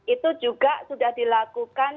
itu juga sudah dilakukan